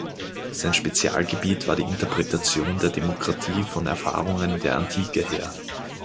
Sein Spezialgebiet war die Interpretation der Demokratie von Erfahrungen der Antike her.